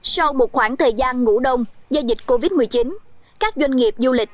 sau một khoảng thời gian ngủ đông do dịch covid một mươi chín các doanh nghiệp du lịch